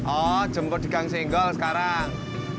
oh jemput di kang senggol sekarang